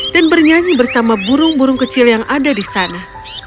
dan bernyanyi bersama burung burung kecil yang ada di sana